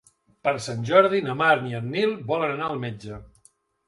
Per Sant Jordi na Mar i en Nil volen anar al metge.